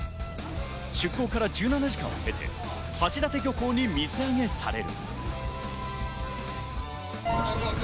出港から１７時間を経て橋立漁港に水揚げされる。